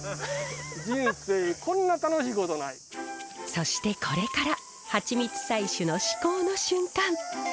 そしてこれからハチミツ採取の至高の瞬間。